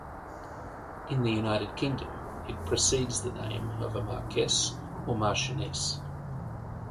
In the United Kingdom, it precedes the name of a marquess or marchioness.